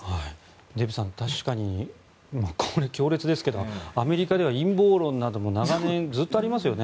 デーブさん、確かにこれ、強烈ですけどアメリカでは陰謀論なども長年ずっとありますよね。